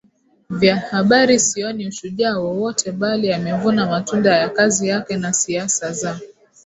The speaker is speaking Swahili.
vya Habari sioni ushujaa wowote bali amevuna matunda ya kazi yake na siasa za